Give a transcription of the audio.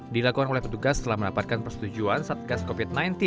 dilakukan oleh petugas setelah mendapatkan persetujuan saat gas covid sembilan belas